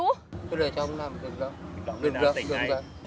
chú để cho ông làm được đó